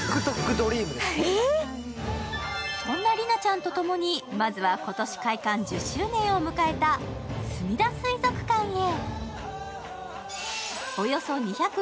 そんな莉菜ちゃんと共にまずは今年開館１０周年を迎えたすみだ水族館へ。